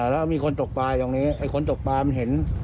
แล้วมีคนตกปลาตรงนี้ไอ้คนตกปลามันเห็น